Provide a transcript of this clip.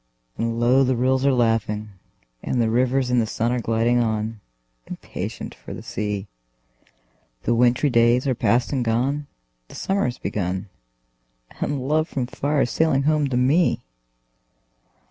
And low the rills are laughing, and the rivers in the sun Are gliding on, impatient for the sea; The wintry days are past and gone, the summer is begun, And love from far is sailing home to me!